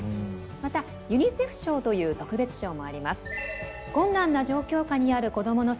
またユニセフ賞という特別賞もあります。